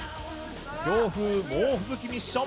強風猛吹雪ミッション。